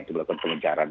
itu melakukan pengejaran